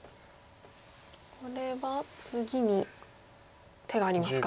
これは次に手がありますか。